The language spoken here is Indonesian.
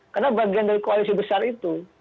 karena bagian dari koalisi besar itu